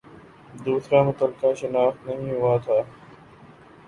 دوسرا متعلقہ شناخت نہیں ہوا تھا